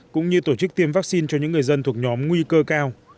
cũng như tổ chức tiêm vaccine cho những người dân thuộc nhóm nguy cơ cao